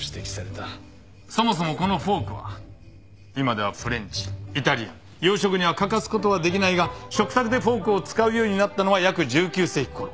そもそもこのフォークは今ではフレンチイタリアン洋食には欠かすことはできないが食卓でフォークを使うようになったのは約１９世紀ごろ。